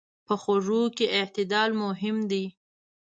په خوږو کې اعتدال مهم دی.